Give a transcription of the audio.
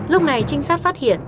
lúc này trinh sát phát hiện